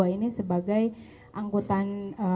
ini sebagai angkutan